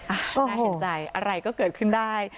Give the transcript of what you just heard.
น่าเห็นใจอะไรก็เกิดขึ้นได้